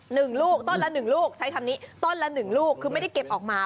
หนึ่งลูกต้นละหนึ่งลูกใช้คำนี้ต้นละหนึ่งลูกคือไม่ได้เก็บออกมา